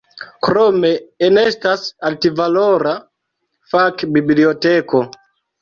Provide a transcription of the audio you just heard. Krome enestas altvalora fak-biblioteko.